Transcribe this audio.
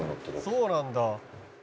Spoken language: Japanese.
「そうなんだ」